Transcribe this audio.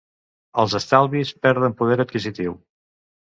Els estalvis perden poder adquisitiu.